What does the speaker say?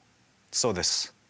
そうです。